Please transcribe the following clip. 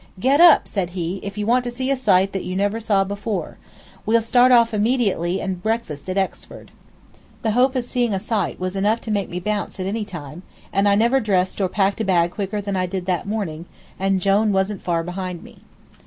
"Get up," said he, "if you want to see a sight that you never saw before. We'll start off immediately and breakfast at Exford." The hope of seeing a sight was enough to make me bounce at any time, and I never dressed or packed a bag quicker than I did that morning, and Jone wasn't far behind me.